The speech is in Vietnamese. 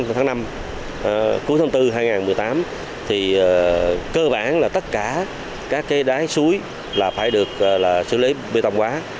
cuối tháng năm cuối tháng bốn hai nghìn một mươi tám thì cơ bản là tất cả các cái đái suối là phải được xử lý bê tông quá